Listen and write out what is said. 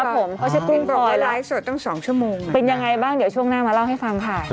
เพราะฉันกุ้งคอยแล้วนะครับเป็นอย่างไรบ้างเดี๋ยวช่วงหน้ามาเล่าให้ฟังภาย